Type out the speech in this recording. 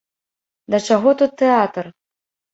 Да чаго тут тэатр?